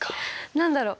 何だろう？